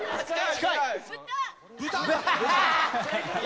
近い」